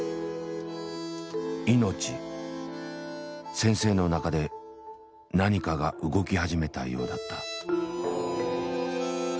先生の中で何かが動き始めたようだった。